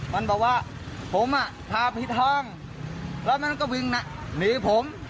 มันเต่าว่าผมอ่ะพาพิษห้องมันก็วิ่งหนีผม